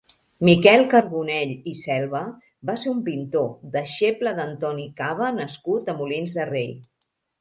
Miquel Carbonell i Selva va ser un pintor, deixeble d’Antoni Caba nascut a Molins de Rei.